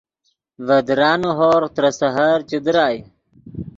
ڤے درانے ہورغ ترے سحر چے درائے